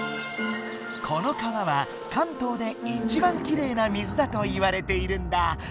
この川は関東でいちばんきれいな水だといわれているんだ。